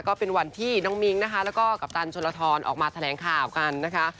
ก็เป็นวันที่น้องมิ้งนะคะแล้วก็กัปตันชนลทรออกมาแถลงข่าวกันนะคะ